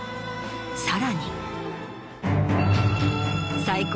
さらに。